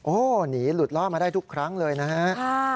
โอ้โหหนีหลุดล่อมาได้ทุกครั้งเลยนะฮะ